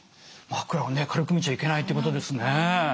枕をね軽く見ちゃいけないってことですね。